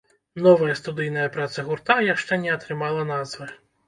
Новая студыйная праца гурта яшчэ не атрымала назвы.